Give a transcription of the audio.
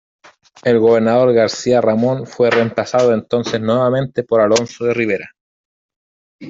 El gobernador García Ramón fue reemplazado entonces nuevamente por Alonso de Ribera.